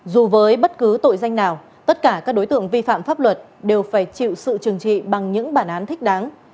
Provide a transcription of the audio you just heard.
dù với bất cứ tội danh nào tất cả các đối tượng vi phạm pháp luật đều phải chịu sự trừng trị bằng những bản án thích đáng